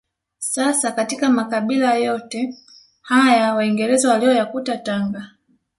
Sasa katika makabila yote haya waingereza waliyoyakuta Tanga